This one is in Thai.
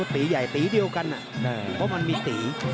ตีใหญ่ตีเดียวกันเพราะมันมีตี